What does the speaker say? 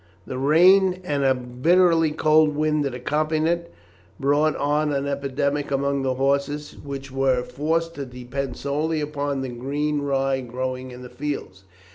The rain, and a bitterly cold wind that accompanied it, brought on an epidemic among the horses, which were forced to depend solely upon the green rye growing in the fields.